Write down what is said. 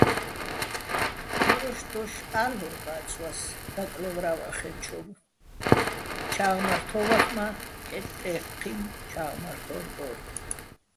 ძვიროშ დოშ ა́ლ'ორ ბა́ცვას, დაკლე́ვრა́ვახენჩოვ, ჩა́ღმართო́ვახ მა́ "ჰ̦ეტ-ე́ჴჴინო̆ ჩა́ღმართო́ვ" დო́რ.